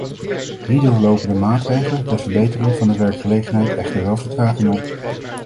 Hierdoor lopen de maatregelen ter verbetering van de werkgelegenheid echter wel vertraging op.